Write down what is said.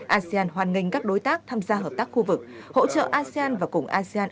asean hoan nghênh các đối tác tham gia hợp tác khu vực hỗ trợ asean và cùng asean